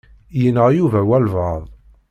Yenɣa Yuba walebɛaḍ.